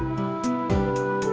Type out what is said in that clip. sampai jumpa lagi